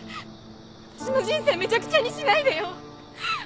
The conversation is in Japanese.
私の人生めちゃくちゃにしないでよ！